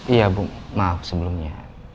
iya bu maaf sebelumnya